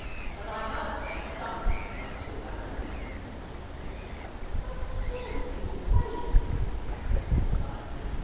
But I must have something for my two hours." "How absurd of you to wait," she said lightly.